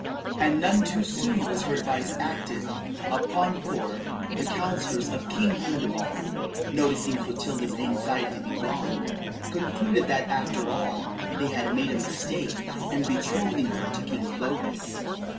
And none too soon was her advice acted, upon for, the counsellors of King Gundebald, noticing Clotilda's anxiety to be gone, concluded that, after all, they had made a mistake in betrothing her to King Clovis.